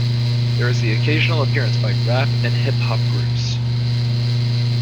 There is the occasional appearance by rap and hip hop groups.